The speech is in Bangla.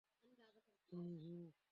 ম্ম, হুম?